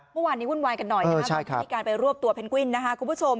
เมื่อวานนี้วุ่นวายกันหน่อยนะครับมีการไปรวบตัวเพนกวินนะคะคุณผู้ชม